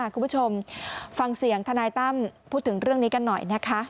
คุณผู้ชมฟังเสียงทนายตั้มพูดถึงเรื่องนี้กันหน่อยนะคะ